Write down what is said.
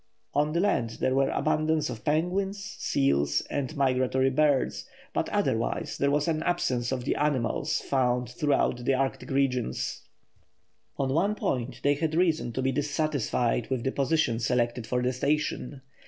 On the land there were abundance of penguins, seals, and migratory birds; but otherwise there was an absence of the animals found throughout the Arctic regions. On one point they had reason to be dissatisfied with the position selected for the station.